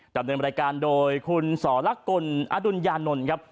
ดำเนินรายการโดยคุณสรกลอดุญญานนท์ครับ